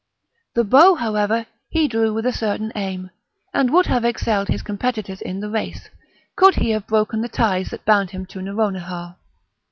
The bow, however, he drew with a certain aim, and would have excelled his competitors in the race, could he have broken the ties that bound him to Nouronihar.